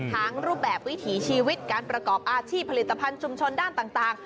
รูปแบบวิถีชีวิตการประกอบอาชีพผลิตภัณฑ์ชุมชนด้านต่าง